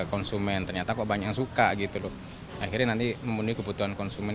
konsumen ternyata kok banyak yang suka gitu loh akhirnya nanti memenuhi kebutuhan konsumen